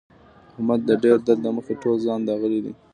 احمد د ډېر درد له مخې ټول ځان داغلی دی.